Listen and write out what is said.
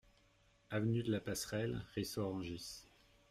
Avenue de la Passerelle, Ris-Orangis